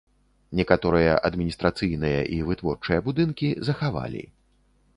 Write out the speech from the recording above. Некаторыя адміністрацыйныя і вытворчыя будынкі захавалі.